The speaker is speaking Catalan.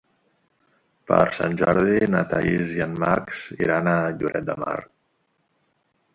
Per Sant Jordi na Thaís i en Max iran a Lloret de Mar.